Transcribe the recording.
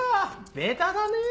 ベタだねぇ！